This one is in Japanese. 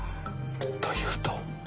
というと？